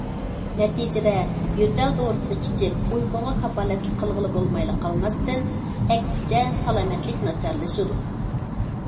نەتىجىدە يۆتەل دورىسىنى ئىچىپ ئۇيقۇغا كاپالەتلىك قىلغىلى بولمايلا قالماستىن، ئەكسىچە سالامەتلىك ناچارلىشىدۇ.